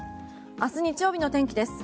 明日日曜日の天気です。